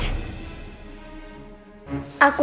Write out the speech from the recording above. kamu lapar kan